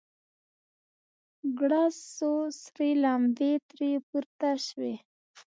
گړز سو سرې لمبې ترې پورته سوې.